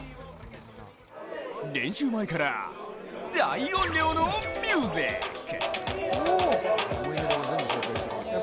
練習前から、大音量のミュージック。